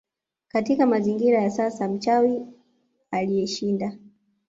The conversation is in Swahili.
Katika mazingira ya sasa mchawi aliyeshind